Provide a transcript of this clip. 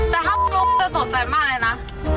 แต่ถ้ามันรู้จักตกใจมากเลยนะ